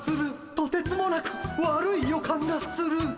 とてつもなく悪い予感がする。